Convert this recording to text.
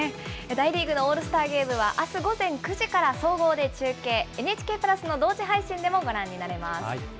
大リーグのオールスターゲームはあす午前９時から総合で中継、ＮＨＫプラスの同時配信でもご覧になれます。